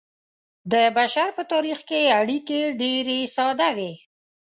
د بشر په تاریخ کې اړیکې ډیرې ساده وې.